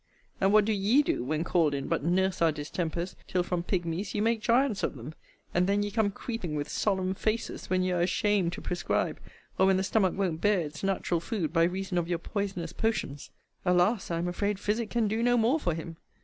And what do ye do, when called in, but nurse our distempers, till from pigmies you make giants of them? and then ye come creeping with solemn faces, when ye are ashamed to prescribe, or when the stomach won't bear its natural food, by reason of your poisonous potions, Alas, I am afraid physic can do no more for him!